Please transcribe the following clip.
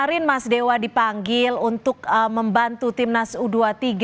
splitting mengenalirkan vu townsdale bisa dipilih sebagai liga